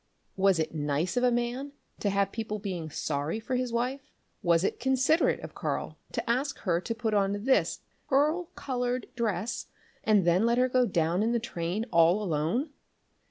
Was it nice of a man to have people being sorry for his wife? Was it considerate of Karl to ask her to put on this pearl coloured dress and then let her go down in the train all alone?